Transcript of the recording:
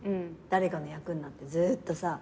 誰かの役になってずーっとさ。